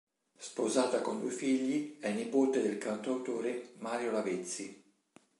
Sposata con due figli, è nipote del cantautore Mario Lavezzi.